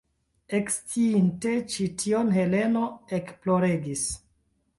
Eksciinte ĉi tion, Heleno ekploregis.